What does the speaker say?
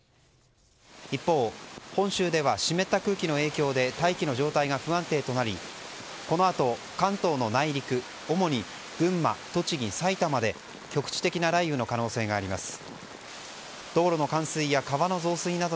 一方、本州では湿った空気の影響で大気の状態が不安定となりこのあと関東の内陸主に群馬、栃木、埼玉で局地的な雷雨の可能性があります。